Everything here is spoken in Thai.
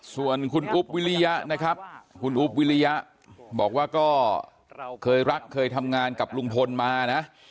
ส่วนคุณอุ๊บวิริยะนะครับคุณอุ๊บวิริยะบอกว่าก็เคยรักเคยทำงานกับลุงพลมานะ